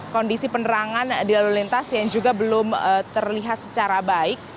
kondisi penerangan di lalu lintas yang juga belum terlihat secara baik